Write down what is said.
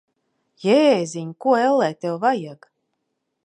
Jēziņ! Ko, ellē, tev vajag?